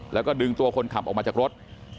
แล้วก็ดึงตัวคนขับออกมาจากรถ